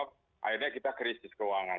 akhirnya kita krisis keuangan